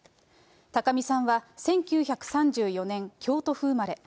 高見さんは１９３４年、京都府生まれ。